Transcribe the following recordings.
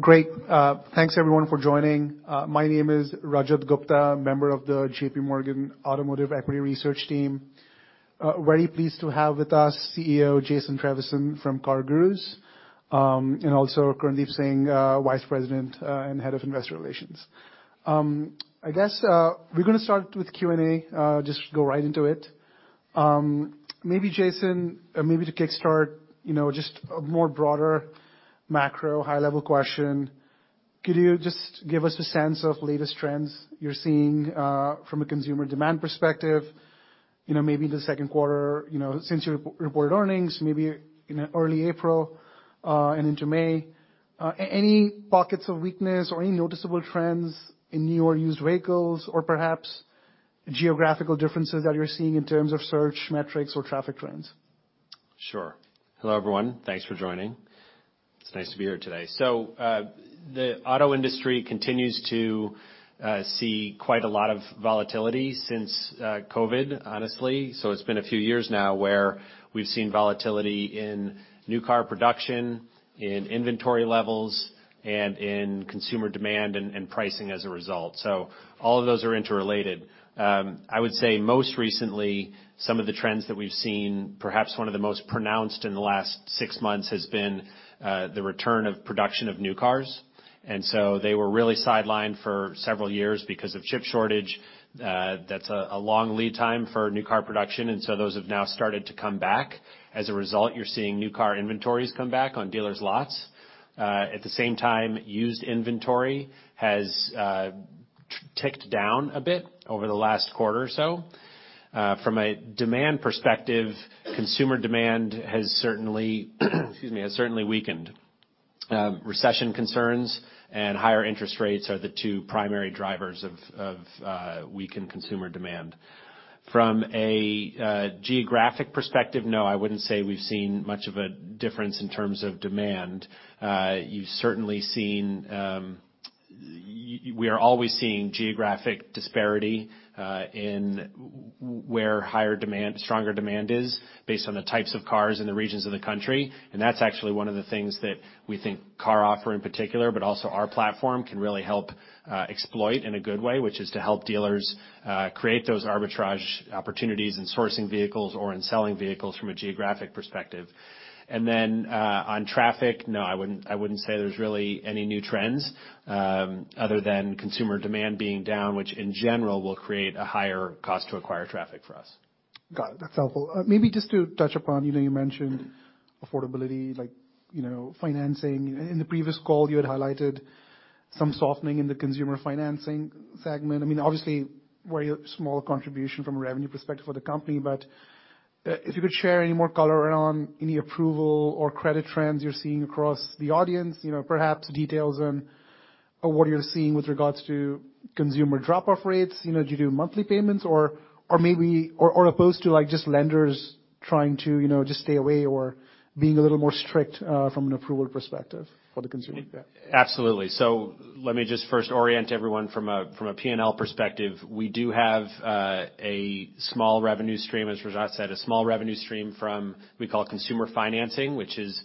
Great. Thanks everyone for joining. My name is Rajat Gupta, member of the JPMorgan Automotive Equity Research team. Very pleased to have with us CEO Jason Trevisan from CarGurus, and also Kirandeep Singh, Vice President and Head of Investor Relations. I guess, we're gonna start with Q&A, just go right into it. Maybe Jason, maybe to kickstart, you know, just a more broader macro high level question, could you just give us a sense of latest trends you're seeing, from a consumer demand perspective, you know, maybe the Q2, you know, since you re-reported earnings, maybe in early April, and into May? Any pockets of weakness or any noticeable trends in new or used vehicles or perhaps geographical differences that you're seeing in terms of search metrics or traffic trends? Sure. Hello, everyone. Thanks for joining. It's nice to be here today. The auto industry continues to see quite a lot of volatility since COVID, honestly. It's been a few years now where we've seen volatility in new car production, in inventory levels, and in consumer demand and pricing as a result. All of those are interrelated. I would say most recently, some of the trends that we've seen, perhaps one of the most pronounced in the last six months, has been the return of production of new cars. They were really sidelined for several years because of chip shortage. That's a long lead time for new car production, and so those have now started to come back. As a result, you're seeing new car inventories come back on dealers' lots. At the same time, used inventory has ticked down a bit over the last quarter or so. From a demand perspective, consumer demand has certainly weakened. Recession concerns and higher interest rates are the two primary drivers of weakened consumer demand. From a geographic perspective, no, I wouldn't say we've seen much of a difference in terms of demand. You've certainly seen, we are always seeing geographic disparity in where higher demand, stronger demand is based on the types of cars in the regions of the country, and that's actually one of the things that we think CarOffer in particular, but also our platform can really help exploit in a good way, which is to help dealers create those arbitrage opportunities in sourcing vehicles or in selling vehicles from a geographic perspective. On traffic, no, I wouldn't say there's really any new trends, other than consumer demand being down, which in general will create a higher cost to acquire traffic for us. Got it. That's helpful. Maybe just to touch upon, you know, you mentioned affordability, like, you know, financing. In the previous call, you had highlighted some softening in the consumer financing segment. I mean, obviously very small contribution from a revenue perspective for the company, but, if you could share any more color around any approval or credit trends you're seeing across the audience, you know, perhaps details on what you're seeing with regards to consumer drop-off rates, you know, due to monthly payments or opposed to, like, just lenders trying to, you know, just stay away or being a little more strict, from an approval perspective for the consumer. Yeah. Absolutely. Let me just first orient everyone from a P&L perspective. We do have a small revenue stream, as Rajat said, from, we call it consumer financing, which is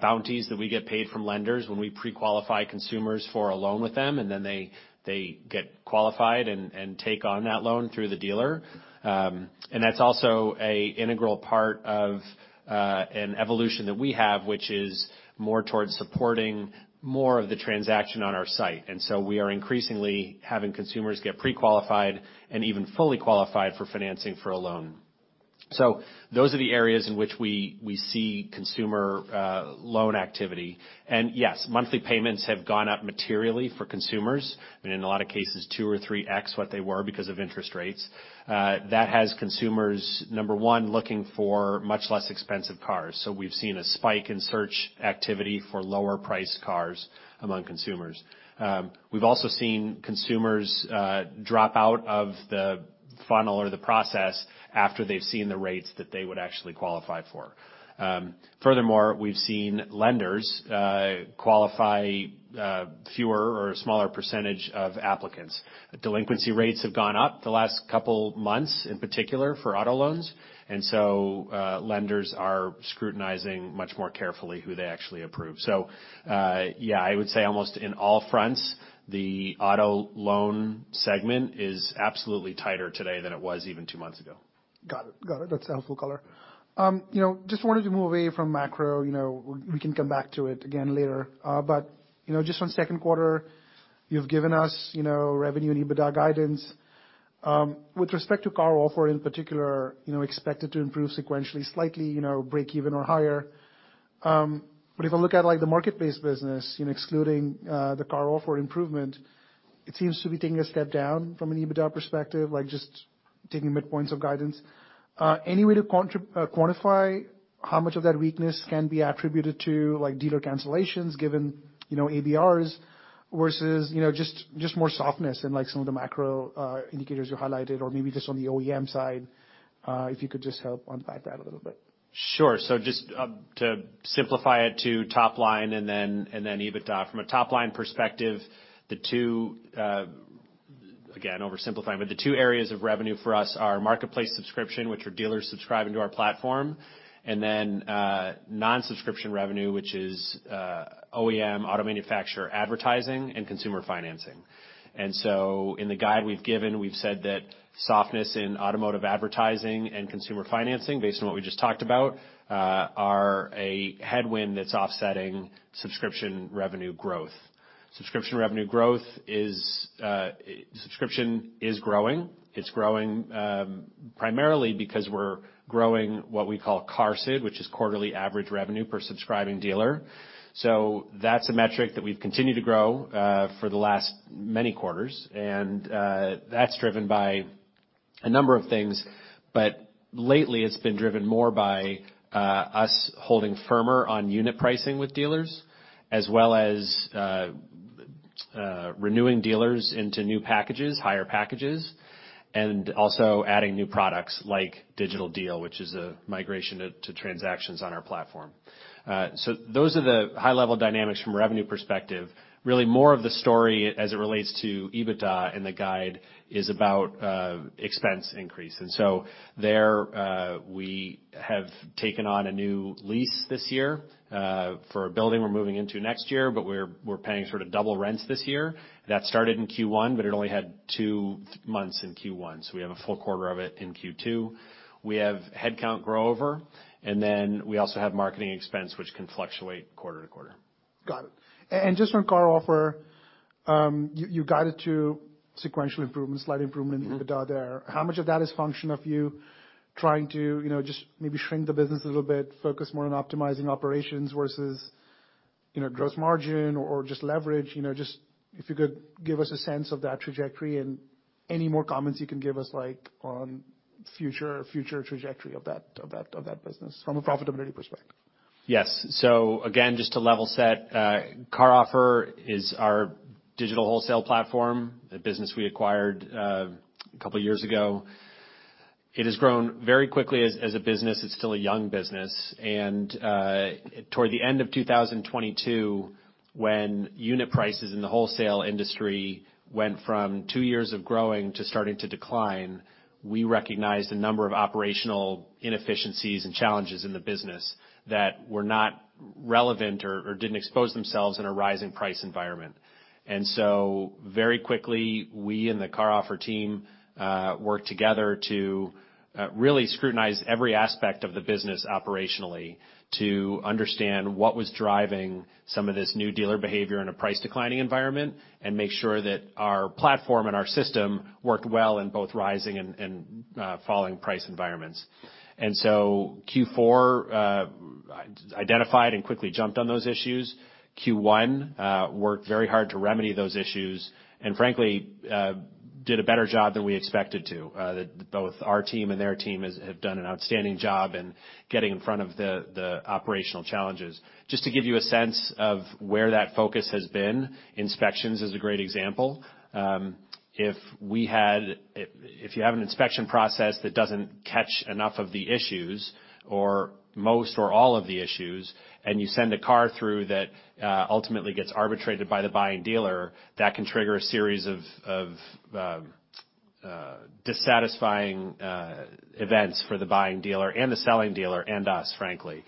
bounties that we get paid from lenders when we pre-qualify consumers for a loan with them, and then they get qualified and take on that loan through the dealer. That's also an integral part of an evolution that we have, which is more towards supporting more of the transaction on our site. We are increasingly having consumers get pre-qualified and even fully qualified for financing for a loan. Those are the areas in which we see consumer loan activity. Yes, monthly payments have gone up materially for consumers, and in a lot of cases 2x or 3x what they were because of interest rates. That has consumers, number one, looking for much less expensive cars. We've seen a spike in search activity for lower priced cars among consumers. We've also seen consumers drop out of the funnel or the process after they've seen the rates that they would actually qualify for. Furthermore, we've seen lenders qualify fewer or a smaller percentage of applicants. Delinquency rates have gone up the last couple months, in particular for auto loans, lenders are scrutinizing much more carefully who they actually approve. Yeah, I would say almost in all fronts, the auto loan segment is absolutely tighter today than it was even two months ago. Got it. Got it. That's helpful color. You know, just wanted to move away from macro, you know, we can come back to it again later. You know, just on Q2, you've given us, you know, revenue and EBITDA guidance. With respect to CarOffer in particular, you know, expected to improve sequentially slightly, you know, break even or higher. If I look at, like, the marketplace business, you know, excluding the CarOffer improvement, it seems to be taking a step down from an EBITDA perspective, like just taking midpoints of guidance. Any way to quantify how much of that weakness can be attributed to, like, dealer cancellations given, you know, ABRs versus, you know, just more softness in, like, some of the macro indicators you highlighted or maybe just on the OEM side? If you could just help unpack that a little bit. Sure. Just to simplify it to top-line and then EBITDA. From a top-line perspective, the two-Again, oversimplifying, but the two areas of revenue for us are marketplace subscription, which are dealers subscribing to our platform, and then non-subscription revenue, which is OEM auto manufacturer advertising and consumer financing. In the guide we've given, we've said that softness in automotive advertising and consumer financing, based on what we just talked about, are a headwind that's offsetting subscription revenue growth. Subscription is growing, primarily because we're growing what we call QARSD, which is quarterly average revenue per subscribing dealer. That's a metric that we've continued to grow for the last many quarters, and that's driven by a number of things. Lately, it's been driven more by us holding firmer on unit pricing with dealers, as well as renewing dealers into new packages, higher packages, and also adding new products like Digital Deal, which is a migration to transactions on our platform. Those are the high-level dynamics from a revenue perspective. Really more of the story as it relates to EBITDA in the guide is about expense increase. There, we have taken on a new lease this year for a building we're moving into next year, but we're paying sort of double rents this year. That started in Q1, but it only had two months in Q1, so we have a full quarter of it in Q2. We have headcount grow over, we also have marketing expense, which can fluctuate quarter-to-quarter. Got it. Just from CarOffer, you guided to sequential improvement, slight improvement in. Mm-hmm. EBITDA there. How much of that is function of you trying to, you know, just maybe shrink the business a little bit, focus more on optimizing operations versus, you know, gross margin or just leverage? You know, just if you could give us a sense of that trajectory and any more comments you can give us, like, on future trajectory of that business from a profitability perspective. Yes. Again, just to level set, CarOffer is our digital wholesale platform, a business we acquired a couple years ago. It has grown very quickly as a business. It's still a young business. Toward the end of 2022, when unit prices in the wholesale industry went from two years of growing to starting to decline, we recognized a number of operational inefficiencies and challenges in the business that were not relevant or didn't expose themselves in a rising price environment. Very quickly, we and the CarOffer team worked together to really scrutinize every aspect of the business operationally to understand what was driving some of this new dealer behavior in a price declining environment and make sure that our platform and our system worked well in both rising and falling price environments. Q4 identified and quickly jumped on those issues. Q1 worked very hard to remedy those issues, and frankly, did a better job than we expected to. Both our team and their team have done an outstanding job in getting in front of the operational challenges. Just to give you a sense of where that focus has been, inspections is a great example. If you have an inspection process that doesn't catch enough of the issues or most or all of the issues, and you send a car through that ultimately gets arbitrated by the buying dealer, that can trigger a series of dissatisfying events for the buying dealer and the selling dealer and us, frankly.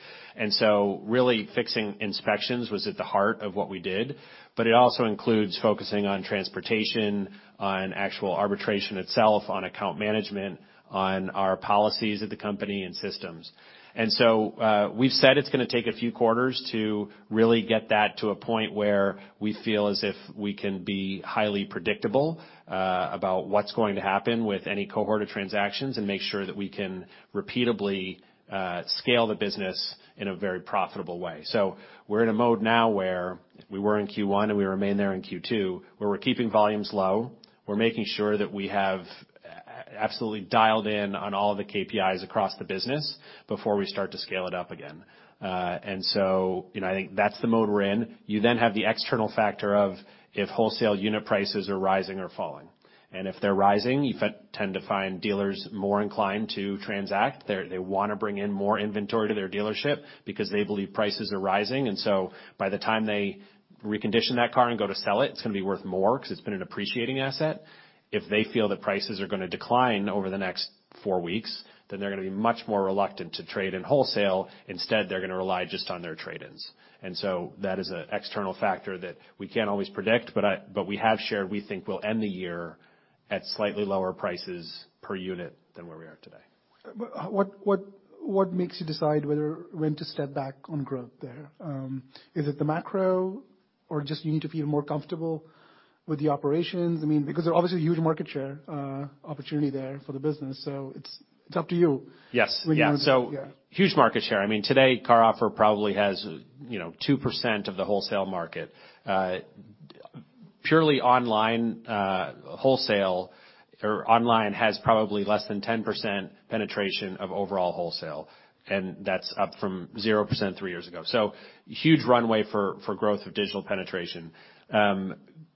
Really fixing inspections was at the heart of what we did, but it also includes focusing on transportation, on actual arbitration itself, on account management, on our policies at the company and systems. We've said it's gonna take a few quarters to really get that to a point where we feel as if we can be highly predictable, about what's going to happen with any cohort of transactions and make sure that we can repeatably, scale the business in a very profitable way. We're in a mode now where we were in Q1, and we remain there in Q2, where we're keeping volumes low. We're making sure that we have absolutely dialed in on all of the KPIs across the business before we start to scale it up again. You know, I think that's the mode we're in. You have the external factor of if wholesale unit prices are rising or falling. If they're rising, you tend to find dealers more inclined to transact. They wanna bring in more inventory to their dealership because they believe prices are rising. By the time they recondition that car and go to sell it's gonna be worth more 'cause it's been an appreciating asset. If they feel that prices are gonna decline over the next four weeks, they're gonna be much more reluctant to trade in wholesale. Instead, they're gonna rely just on their trade-ins. That is a external factor that we can't always predict, but we have shared, we think we'll end the year at slightly lower prices per unit than where we are today. What makes you decide whether when to step back on growth there? Is it the macro, or just you need to feel more comfortable with the operations? I mean, because there's obviously a huge market share opportunity there for the business, so it's up to you. Yes. Yeah. Yeah. Huge market share. I mean, today, CarOffer probably has, you know, 2% of the wholesale market. Purely online, wholesale or online has probably less than 10% penetration of overall wholesale, and that's up from 0% three years ago. Huge runway for growth of digital penetration.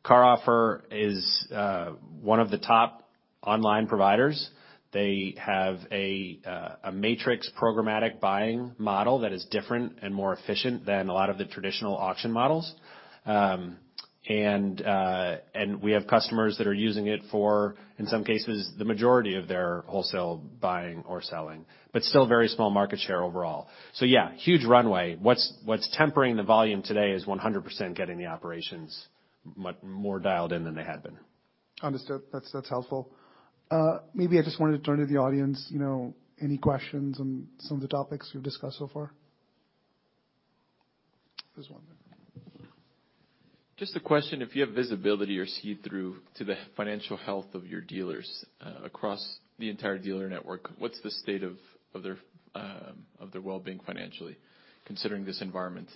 CarOffer is one of the top-online providers, they have a matrix programmatic buying model that is different and more efficient than a lot of the traditional auction models. And we have customers that are using it for, in some cases, the majority of their wholesale buying or selling. Still very small market share overall. Yeah, huge runway. What's tempering the volume today is 100% getting the operations more dialed in than they had been. Understood. That's helpful. Maybe I just wanted to turn to the audience, you know, any questions on some of the topics we've discussed so far? There's one there. Just a question if you have visibility or see through to the financial health of your dealers, across the entire dealer network, what's the state of their wellbeing financially considering this environment?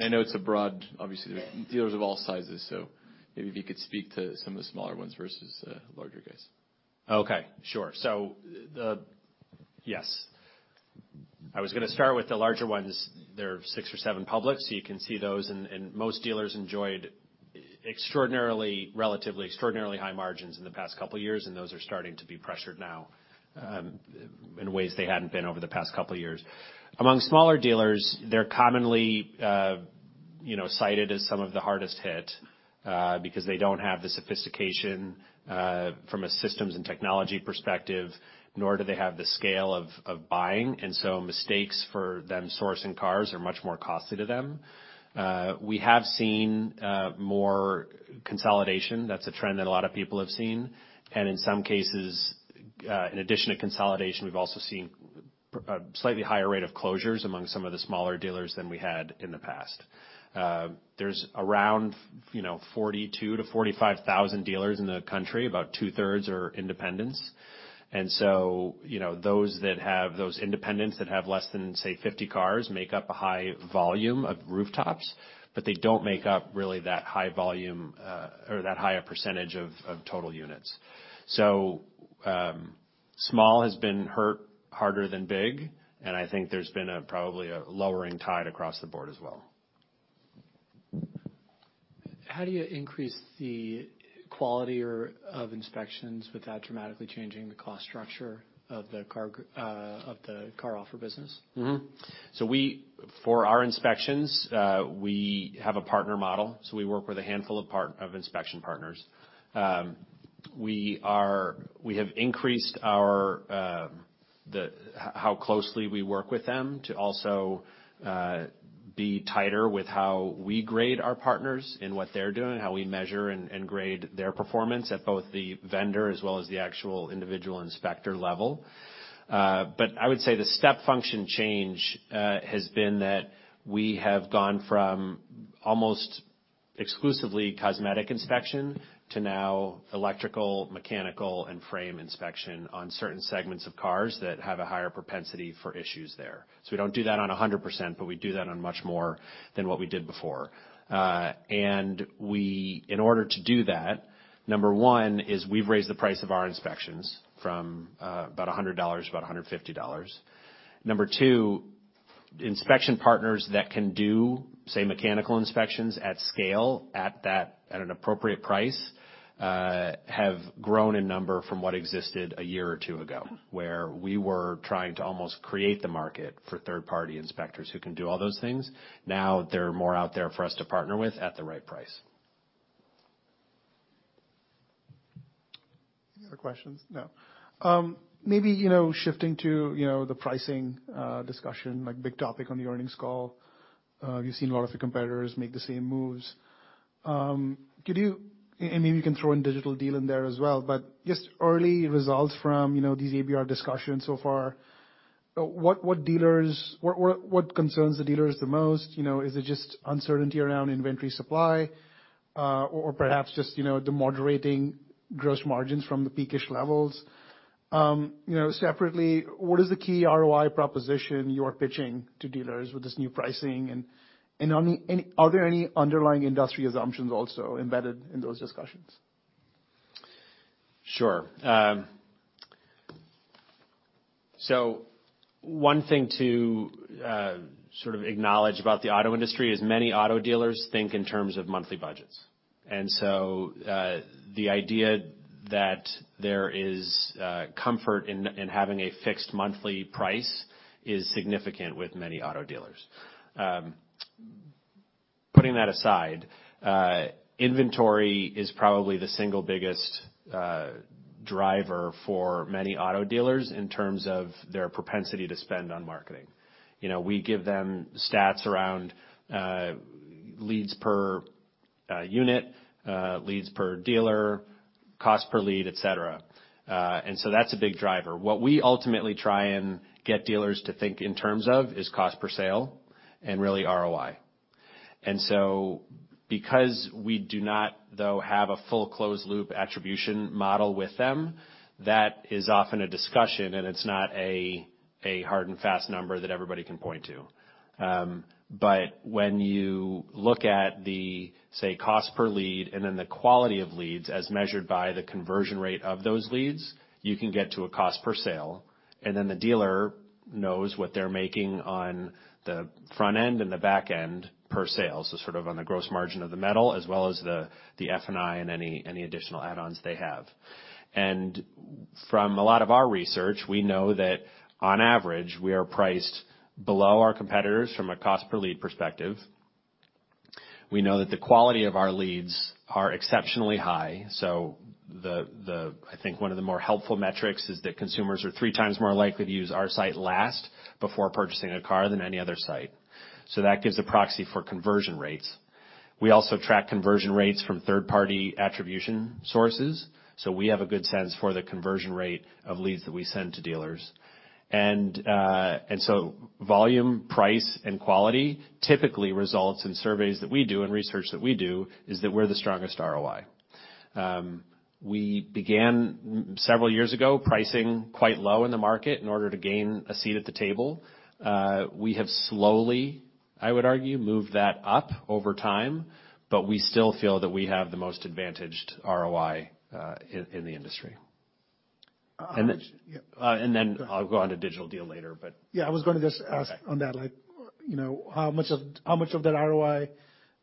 I know it's a broad. Yeah... dealers of all sizes, so maybe if you could speak to some of the smaller ones versus, larger guys. Okay, sure. Yes. I was gonna start with the larger ones. There are six or seven public, so you can see those. Most dealers enjoyed extraordinarily, relatively extraordinarily high margins in the past couple of years, and those are starting to be pressured now, in ways they hadn't been over the past couple of years. Among smaller dealers, they're commonly, you know, cited as some of the hardest hit, because they don't have the sophistication, from a systems and technology perspective, nor do they have the scale of buying, and so mistakes for them sourcing cars are much more costly to them. We have seen more consolidation. That's a trend that a lot of people have seen. In some cases, in addition to consolidation, we've also seen a slightly higher rate of closures among some of the smaller dealers than we had in the past. There's around, you know, 42,000-45,000 dealers in the country, about two-thirds are independents. You know, those that have those independents that have less than, say, 50 cars make up a high volume of rooftops, but they don't make up really that high volume, or that high a percentage of total units. Small has been hurt harder than big, and I think there's been a probably a lowering tide across the board as well. How do you increase the quality of inspections without dramatically changing the cost structure of the CarOffer business? We, for our inspections, we have a partner model, so we work with a handful of inspection partners. We have increased our how closely we work with them to also be tighter with how we grade our partners in what they're doing, how we measure and grade their performance at both the vendor as well as the actual individual inspector level. I would say the step function change has been that we have gone from almost exclusively cosmetic inspection to now electrical, mechanical, and frame inspection on certain segments of cars that have a higher propensity for issues there. We don't do that on 100%, but we do that on much more than what we did before. We in order to do that, number one, we've raised the price of our inspections from about $100 to about $150. Number two, inspection partners that can do, say, mechanical inspections at scale at an appropriate price, have grown in number from what existed a year or two ago, where we were trying to almost create the market for third-party inspectors who can do all those things. Now there are more out there for us to partner with at the right price. Any other questions? No. Maybe, you know, shifting to, you know, the pricing discussion, like big topic on the earnings call. We've seen a lot of the competitors make the same moves. Maybe you can throw in Digital Deal in there as well, but just early results from, you know, these ABR discussions so far, what concerns the dealers the most? You know, is it just uncertainty around inventory supply, or perhaps just, you know, the moderating gross margins from the peak-ish levels? Separately, what is the key ROI proposition you're pitching to dealers with this new pricing, and are there any underlying industry assumptions also embedded in those discussions? Sure. One thing to sort of acknowledge about the auto industry is many auto dealers think in terms of monthly budgets. The idea that there is comfort in having a fixed monthly price is significant with many auto dealers. Putting that aside, inventory is probably the single biggest driver for many auto dealers in terms of their propensity to spend on marketing. You know, we give them stats around leads per unit, leads per dealer, cost per lead, et cetera. That's a big driver. What we ultimately try and get dealers to think in terms of is cost per sale and really ROI. Because we do not, though, have a full closed loop attribution model with them, that is often a discussion, and it's not a hard and fast number that everybody can point to. When you look at the, say, cost per lead and then the quality of leads as measured by the conversion rate of those leads, you can get to a cost per sale. The dealer knows what they're making on the front end and the back end per sale, so sort of on the gross margin of the metal as well as the F&I and any additional add-ons they have. From a lot of our research, we know that on average, we are priced below our competitors from a cost per lead perspective. We know that the quality of our leads are exceptionally high. I think one of the more helpful metrics is that consumers are 3x more likely to use our site last before purchasing a car than any other site. That gives a proxy for conversion rates. We also track conversion rates from third-party attribution sources, so we have a good sense for the conversion rate of leads that we send to dealers. Volume, price, and quality typically results in surveys that we do and research that we do is that we're the strongest ROI. We began several years ago pricing quite low in the market in order to gain a seat at the table. We have slowly, I would argue, moved that up over time, but we still feel that we have the most advantaged ROI in the industry. Yeah. Then I'll go on to Digital Deal later. Yeah, I was gonna just ask on that, like, you know, how much of that ROI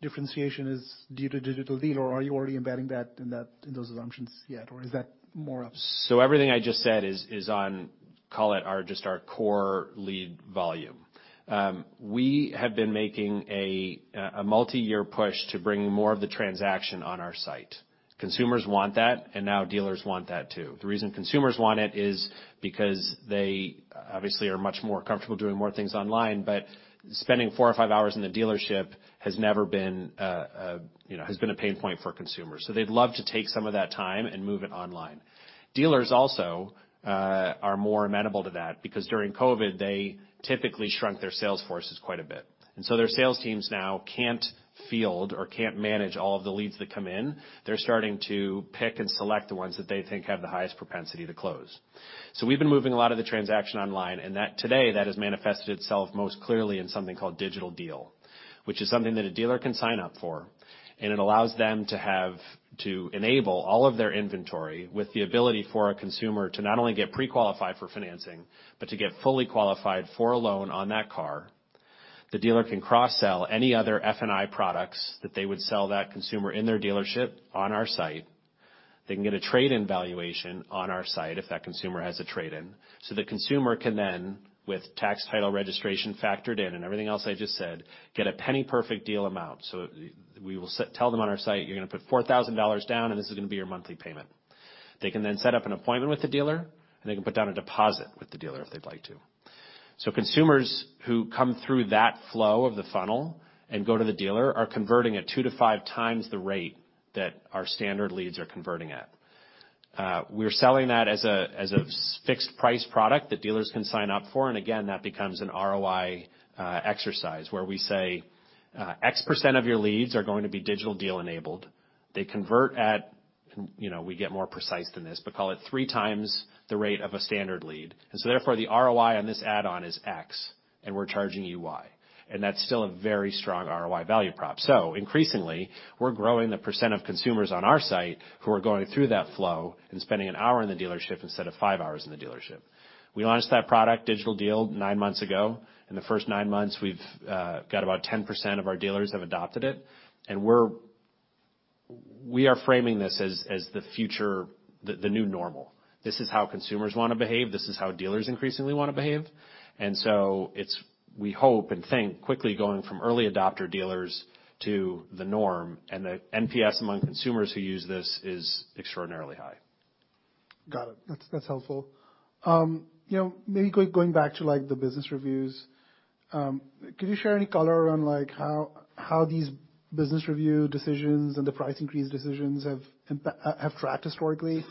differentiation is due to Digital Deal, or are you already embedding that in that, in those assumptions yet, or is that more ups? Everything I just said is on, call it our, just our core lead volume. We have been making a multiyear push to bring more of the transaction on our site. Consumers want that, and now dealers want that too. The reason consumers want it is because they obviously are much more comfortable doing more things online, but spending four or five hours in the dealership has never been, you know, has been a pain point for consumers. They'd love to take some of that time and move it online. Dealers also are more amenable to that because during COVID, they typically shrunk their sales forces quite a bit. Their sales teams now can't field or can't manage all of the leads that come in. They're starting to pick and select the ones that they think have the highest propensity to close. We've been moving a lot of the transaction online, and that, today, that has manifested itself most clearly in something called Digital Deal, which is something that a dealer can sign up for, and it allows them to enable all of their inventory with the ability for a consumer to not only get pre-qualified for financing, but to get fully qualified for a loan on that car. The dealer can cross-sell any other F&I products that they would sell that consumer in their dealership on our site. They can get a trade-in valuation on our site if that consumer has a trade-in. The consumer can then, with tax title registration factored in and everything else I just said, get a penny perfect deal amount. We will tell them on our site, "You're gonna put $4,000 down, and this is gonna be your monthly payment." They can then set up an appointment with the dealer, and they can put down a deposit with the dealer if they'd like to. Consumers who come through that flow of the funnel and go to the dealer are converting at 2-5x the rate that our standard leads are converting at. We're selling that as a fixed price product that dealers can sign up for. Again, that becomes an ROI exercise where we say, "X% of your leads are going to be Digital Deal enabled. They convert at," you know, we get more precise than this, but call it 3x the rate of a standard lead. Therefore, the ROI on this add-on is X, and we're charging you Y. That's still a very strong ROI value prop. Increasingly, we're growing the % of consumers on our site who are going through that flow and spending an hour in the dealership instead of five hours in the dealership. We launched that product, Digital Deal, nine months ago. In the first nine months, we've got about 10% of our dealers have adopted it, and We are framing this as the future, the new normal. This is how consumers wanna behave. This is how dealers increasingly wanna behave. It's, we hope and think, quickly going from early adopter dealers to the norm, and the NPS among consumers who use this is extraordinarily high. Got it. That's helpful. You know, maybe going back to, like, the business reviews, could you share any color around, like, how these business review decisions and the price increase decisions have tracked historically?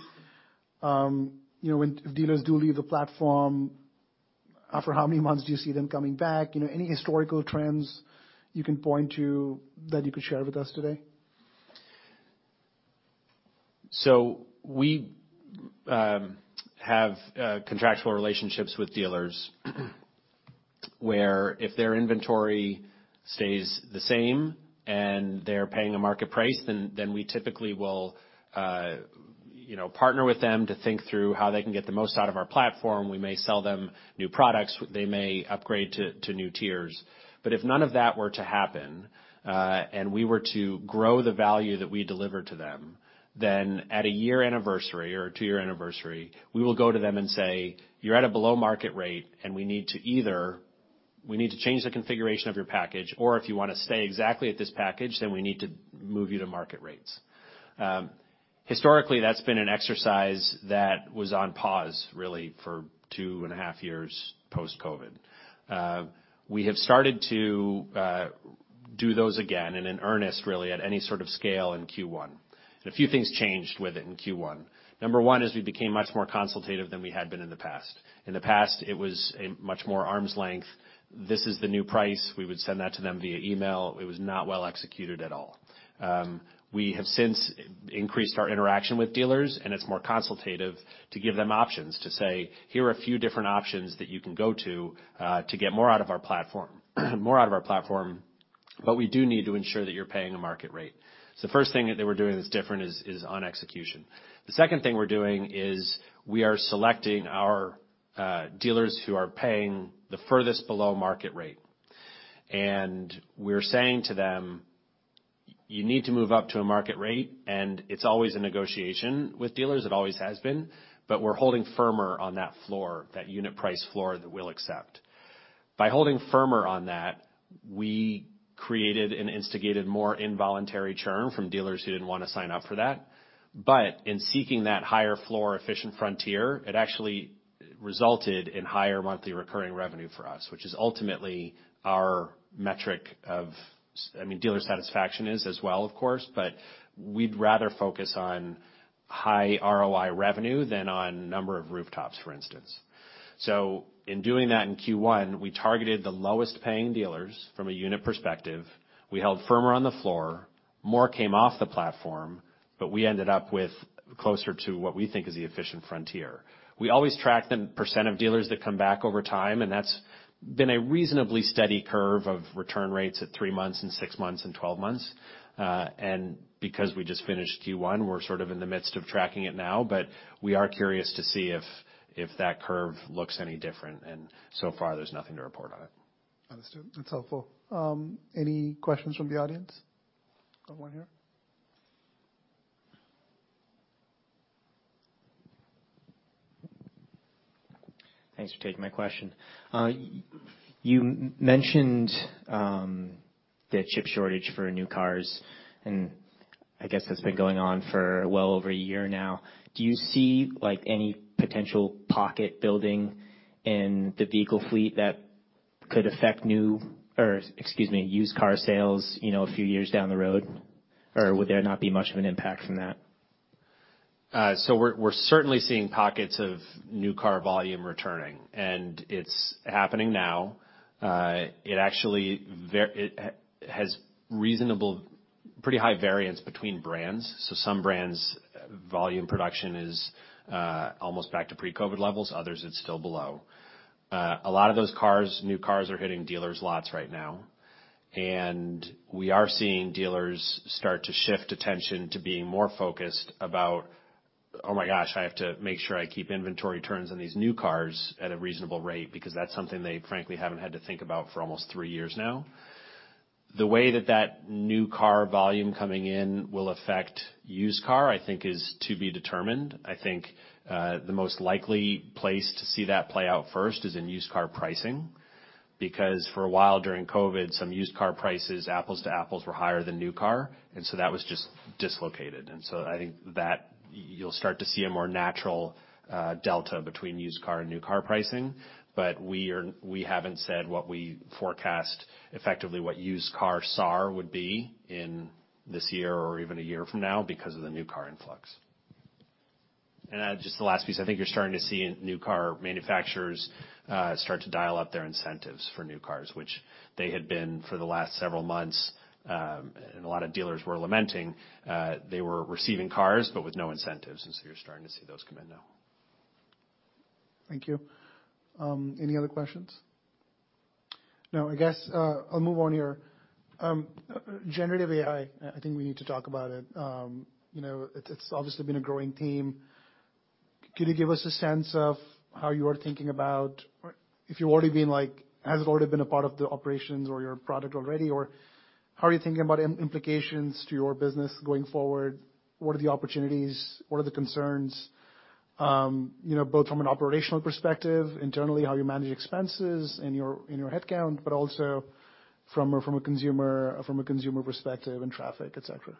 You know, when dealers do leave the platform, after how many months do you see them coming back? You know, any historical trends you can point to that you could share with us today? We have contractual relationships with dealers where if their inventory stays the same and they're paying a market price, then we typically will, you know, partner with them to think through how they can get the most out of our platform. We may sell them new products. They may upgrade to new tiers. If none of that were to happen, and we were to grow the value that we deliver to them, then at a year anniversary or a two-year anniversary, we will go to them and say, "You're at a below-market rate, and we need to either... We need to change the configuration of your package, or if you wanna stay exactly at this package, then we need to move you to market rates. Historically, that's been an exercise that was on pause really for 2.5 years post-COVID. We have started to do those again in an earnest really at any sort of scale in Q1. A few things changed with it in Q1. Number 1 is we became much more consultative than we had been in the past. In the past, it was a much more arm's length. This is the new price. We would send that to them via email. It was not well executed at all. We have since increased our interaction with dealers, and it's more consultative to give them options to say, "Here are a few different options that you can go to get more out of our platform. We do need to ensure that you're paying a market rate. The first thing that we're doing that's different is on execution. The second thing we're doing is we are selecting our dealers who are paying the furthest below market rate. We're saying to them, "You need to move up to a market rate," and it's always a negotiation with dealers, it always has been, but we're holding firmer on that floor, that unit price floor that we'll accept. By holding firmer on that, we created and instigated more involuntary churn from dealers who didn't wanna sign up for that. In seeking that higher floor efficient frontier, it actually resulted in higher monthly recurring revenue for us, which is ultimately our metric of I mean, dealer satisfaction is as well, of course, but we'd rather focus on high ROI revenue than on number of rooftops, for instance. In doing that in Q1, we targeted the lowest paying dealers from a unit perspective. We held firmer on the floor. More came off the platform, but we ended up with closer to what we think is the efficient frontier. We always track the % of dealers that come back over time, and that's been a reasonably steady curve of return rates at three months and six months and 12 months. Because we just finished Q1, we're sort of in the midst of tracking it now, but we are curious to see if that curve looks any different, and so far there's nothing to report on it. Understood. That's helpful. Any questions from the audience? Got one here. Thanks for taking my question. You mentioned the chip shortage for new cars, I guess that's been going on for well over a year now. Do you see, like, any potential pocket building in the vehicle fleet that could affect or excuse me, used car sales, you know, a few years down the road? Would there not be much of an impact from that? We're certainly seeing pockets of new car volume returning, and it's happening now. It actually has reasonable pretty high variance between brands. Some brands' volume production is almost back to pre-COVID levels. Others, it's still below. A lot of those cars, new cars are hitting dealers' lots right now. We are seeing dealers start to shift attention to being more focused about, "Oh my gosh, I have to make sure I keep inventory turns on these new cars at a reasonable rate," because that's something they frankly haven't had to think about for almost three years now. The way that new car volume coming in will affect used car, I think is to be determined. I think the most likely place to see that play out first is in used car pricing, because for a while during COVID, some used car prices, apples to apples, were higher than new car, that was just dislocated. I think that you'll start to see a more natural delta between used car and new car pricing, but we haven't said what we forecast, effectively what used car SAR would be in this year or even a year from now because of the new car influx. Just the last piece, I think you're starting to see new car manufacturers start to dial up their incentives for new cars, which they had been for the last several months, and a lot of dealers were lamenting, they were receiving cars, but with no incentives, you're starting to see those come in now. Thank you. Any other questions? No, I guess, I'll move on here. Generative AI, I think we need to talk about it. You know, it's obviously been a growing theme. Could you give us a sense of how you are thinking about or if you've already been has it already been a part of the operations or your product already, or how are you thinking about implications to your business going forward? What are the opportunities? What are the concerns? You know, both from an operational perspective, internally, how you manage expenses in your headcount, but also from a consumer, from a consumer perspective and traffic, et cetera.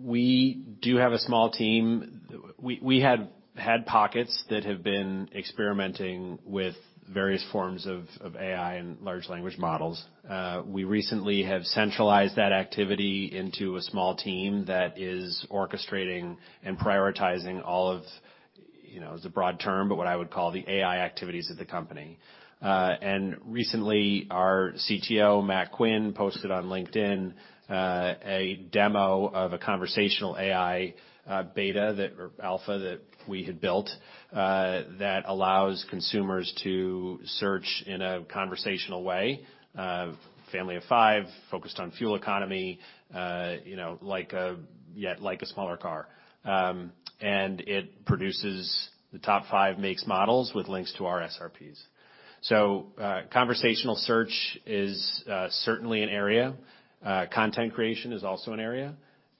We do have a small team. We had pockets that have been experimenting with various forms of AI and large language models. We recently have centralized that activity into a small team that is orchestrating and prioritizing all of, you know, as a broad term, but what I would call the AI activities of the company. Recently, our CTO, Matt Quinn, posted on LinkedIn a demo of a conversational AI beta or alpha that we had built that allows consumers to search in a conversational way of family of five, focused on fuel economy, you know, like a smaller car. It produces the top five makes, models with links to our SRPs. Conversational search is certainly an area. Content creation is also an area,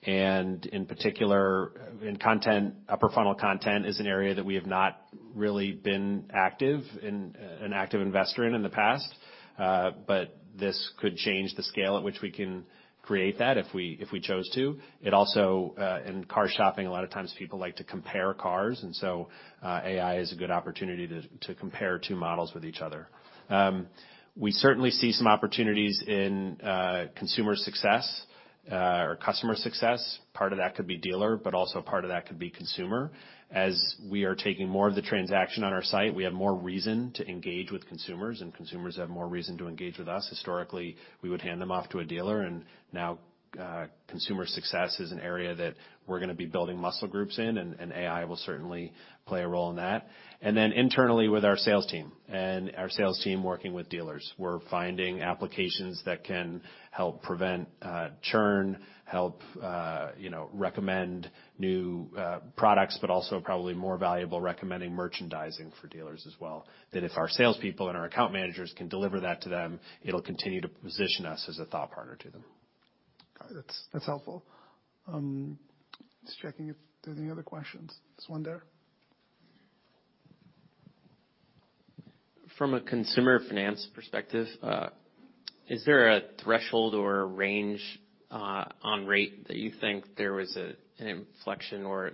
and in particular, in content, upper funnel content is an area that we have not really been active in, an active investor in the past. This could change the scale at which we can create that if we chose to. It also, in car shopping, a lot of times people like to compare cars, and so AI is a good opportunity to compare two models with each other. We certainly see some opportunities in consumer success, or customer success. Part of that could be dealer, but also part of that could be consumer. As we are taking more of the transaction on our site, we have more reason to engage with consumers, and consumers have more reason to engage with us. Historically, we would hand them off to a dealer, and now, consumer success is an area that we're gonna be building muscle groups in and AI will certainly play a role in that. Internally with our sales team and our sales team working with dealers, we're finding applications that can help prevent churn, help, you know, recommend new products, but also probably more valuable recommending merchandising for dealers as well. That if our salespeople and our account managers can deliver that to them, it'll continue to position us as a thought partner to them. Got it. That's helpful. Just checking if there's any other questions? There's one there. From a consumer finance perspective, is there a threshold or range on rate that you think there was a, an inflection or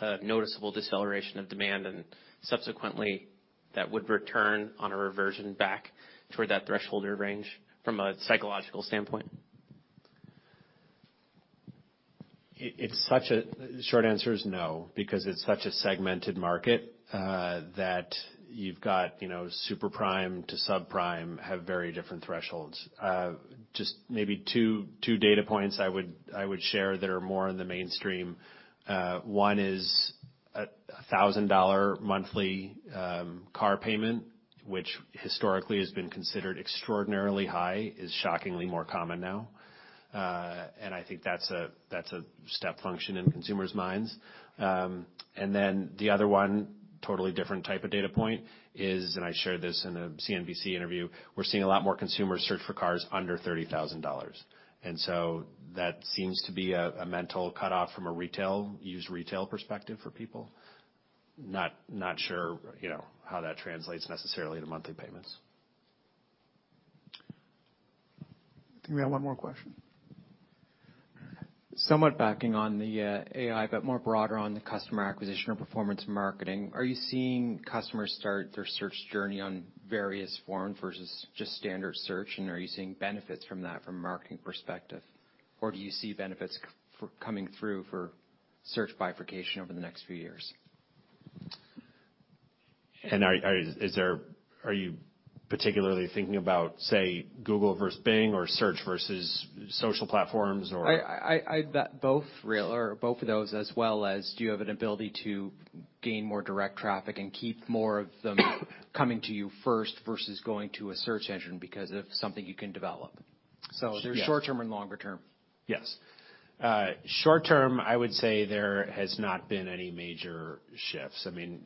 a noticeable deceleration of demand, and subsequently that would return on a reversion back toward that threshold or range from a psychological standpoint? It's such a short answer is no, because it's such a segmented market, that you've got, you know, super prime to subprime have very different thresholds. Just maybe two data points I would share that are more in the mainstream. One is a $1,000 monthly car payment, which historically has been considered extraordinarily high is shockingly more common now. I think that's a, that's a step function in consumers' minds. The other one, totally different type of data point is, I shared this in a CNBC interview, we're seeing a lot more consumers search for cars under $30,000. That seems to be a mental cutoff from a retail, used retail perspective for people. Not sure, you know, how that translates necessarily to monthly payments. I think we have one more question. Somewhat backing on the AI, more broader on the customer acquisition or performance marketing. Are you seeing customers start their search journey on various forums versus just standard search? Are you seeing benefits from that from a marketing perspective? Do you see benefits for Coming through for search bifurcation over the next few years? Are you particularly thinking about, say, Google versus Bing or search versus social platforms or...? Both or both of those, as well as do you have an ability to gain more direct traffic and keep more of them coming to you first versus going to a search engine because of something you can develop? There's short-term and longer term. Yes. Short term, I would say there has not been any major shifts. I mean,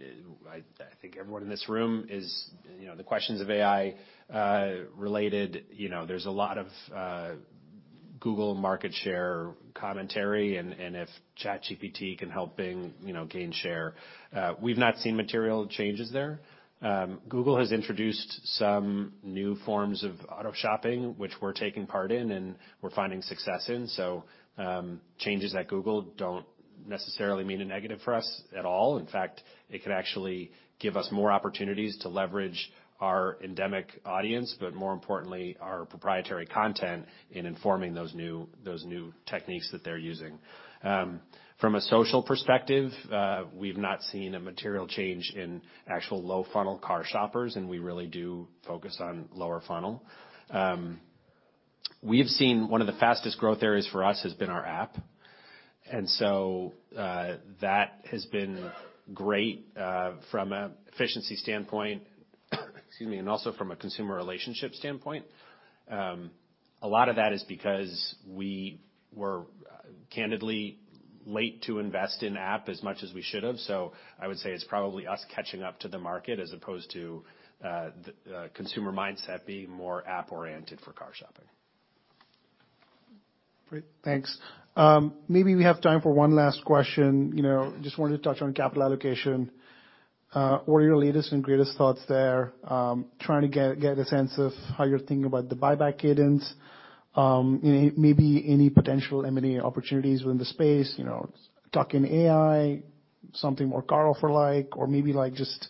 I think everyone in this room is, the questions of AI related, there's a lot of Google market share commentary and if ChatGPT can help Bing gain share. We've not seen material changes there. Google has introduced some new forms of auto shopping, which we're taking part in and we're finding success in. Changes at Google don't necessarily mean a negative for us at all. In fact, it could actually give us more opportunities to leverage our endemic audience, but more importantly, our proprietary content in informing those new, those new techniques that they're using. From a social perspective, we've not seen a material change in actual low-funnel car shoppers, and we really do focus on lower funnel. We have seen one of the fastest growth areas for us has been our app. That has been great, from an efficiency standpoint, excuse me, and also from a consumer relationship standpoint. A lot of that is because we were candidly late to invest in app as much as we should have. I would say it's probably us catching up to the market as opposed to the consumer mindset being more app-oriented for car shopping. Great. Thanks. Maybe we have time for one last question. You know, just wanted to touch on capital allocation. What are your latest and greatest thoughts there? Trying to get a sense of how you're thinking about the buyback cadence. Maybe any potential M&A opportunities within the space. You know, tuck in AI, something more CarOffer-like, or maybe like just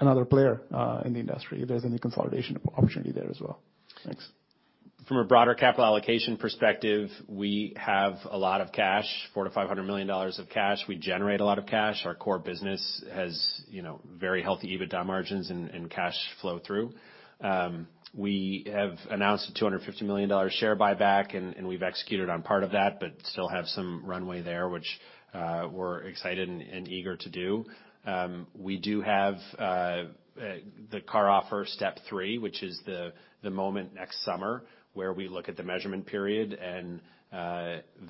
another player in the industry, if there's any consolidation opportunity there as well. Thanks. From a broader capital allocation perspective, we have a lot of cash, $400 million-$500 million of cash. We generate a lot of cash. Our core business has, you know, very healthy EBITDA margins and cash flow through. We have announced a $250 million share buyback, and we've executed on part of that, but still have some runway there, which we're excited and eager to do. We do have the CarOffer Step three, which is the moment next summer where we look at the measurement period and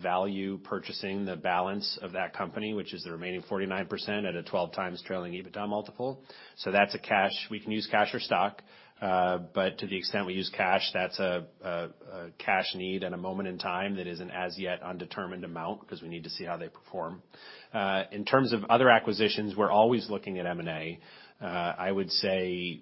value purchasing the balance of that company, which is the remaining 49% at a 12x trailing EBITDA multiple. That's a cash. We can use cash or stock, but to the extent we use cash, that's a cash need and a moment in time that is an as-yet undetermined amount because we need to see how they perform. In terms of other acquisitions, we're always looking at M&A. I would say,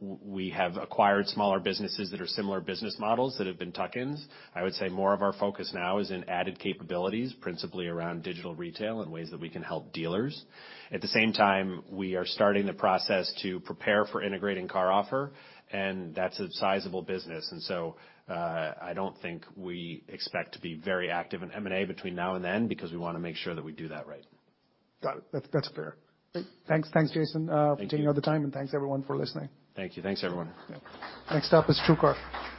we have acquired smaller businesses that are similar business models that have been tuck-ins. I would say more of our focus now is in added capabilities, principally around digital retail and ways that we can help dealers. At the same time, we are starting the process to prepare for integrating CarOffer, and that's a sizable business. I don't think we expect to be very active in M&A between now and then because we wanna make sure that we do that right. Got it. That, that's fair. Great. Thanks. Thanks, Jason. Thank you. -for taking all the time. Thanks everyone for listening. Thank you. Thanks, everyone. Yeah. Next up is TrueCar.